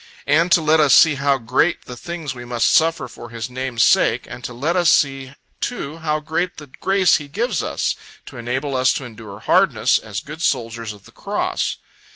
And to let us see how great the things we must suffer for His name's sake, and to let us see too how great the grace He gives us, to enable us to endure hardness, as good soldiers of the cross.